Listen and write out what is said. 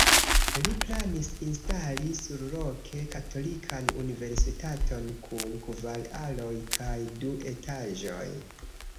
Li planis instali surloke katolikan universitaton kun kvar aloj kaj du etaĝoj.